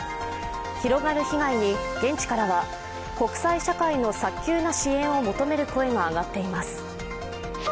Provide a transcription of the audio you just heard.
広がる被害に現地からは国際社会の早急な支援を求める声が上がっています。